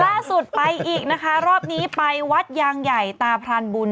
ล่าสุดไปอีกนะคะรอบนี้ไปวัดยางใหญ่ตาพรานบุญ